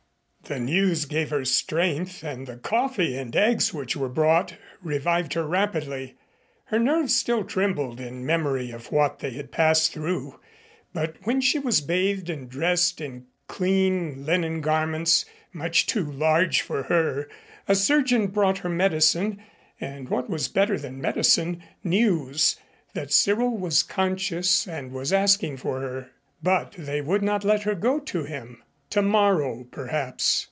The news gave her strength, and the coffee and eggs that were brought revived her rapidly. Her nerves still trembled in memory of what they had passed through, but when she was bathed and dressed in clean linen garments, much too large for her, a surgeon brought her medicine, and what was better than medicine, news that Cyril was conscious and was asking for her. But they would not let her go to him. Tomorrow perhaps.